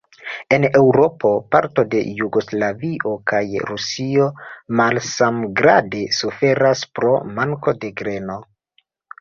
En Eŭropo, partoj de Jugoslavio kaj Rusio malsamgrade suferas pro manko de greno.